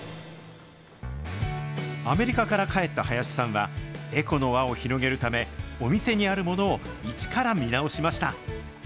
アメリカから帰った林さんは、エコの輪を広げるため、お店にあるものを一から見直しました。